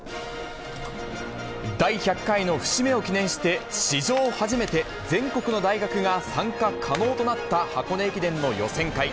第１００回の節目を記念して史上初めて、全国の大学が参加可能となった箱根駅伝の予選会。